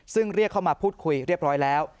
ซึ่งเรียกเข้ามาพูดคุยเรียบร้อยแล้ว